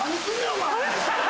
お前。